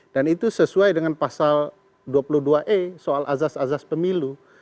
dan itu sesuai dengan pasal dua puluh dua e soal azas azas pemilu